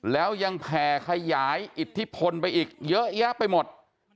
แล้วยังแผ่ขยายอิทธิพลไปอีกเยอะแยะไปหมด